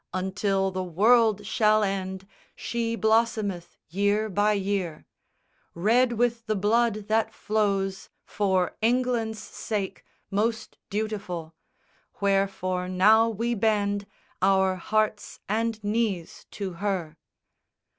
Until the world shall end She blossometh year by year, Red with the blood that flows For England's sake, most dutiful, Wherefore now we bend Our hearts and knees to her.